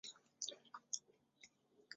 同治四年两江总督刘坤一再次监督重修。